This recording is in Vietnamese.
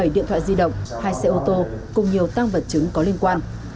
một mươi bảy điện thoại di động hai xe ô tô cùng nhiều tăng vật chứng có liên quan